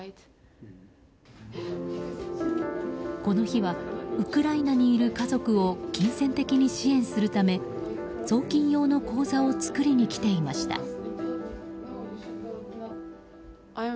この日はウクライナにいる家族を金銭的に支援するため送金用の口座を作りに来ていました。